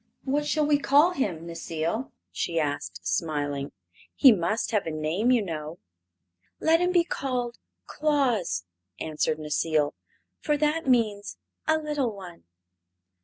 "What shall we call him, Necile?" she asked, smiling. "He must have a name, you know." "Let him be called Claus," answered Necile, "for that means 'a little one.'"